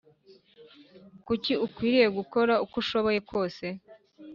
Kuki ukwiriye gukora uko ushoboye kose